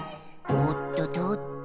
「おっととっと」